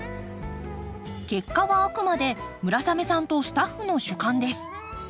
結果はあくまで村雨さんとスタッフの主観です。